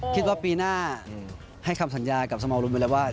คิดว่าปีหน้าให้คำสัญญากับสมอรุณไปแล้วว่า